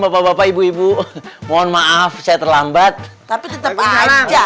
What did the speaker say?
bapak bapak ibu ibu mohon maaf saya terlambat tapi tetap aja